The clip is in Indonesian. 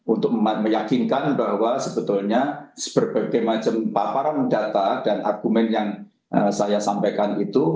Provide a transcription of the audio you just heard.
untuk meyakinkan bahwa sebetulnya berbagai macam paparan data dan argumen yang saya sampaikan itu